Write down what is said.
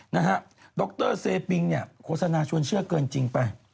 นะฮะดรเซปิงเนี่ยโฆษณาชวนเชื่อเกินจริงไป